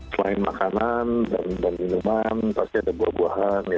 selain makanan dan minuman pasti ada buah buahan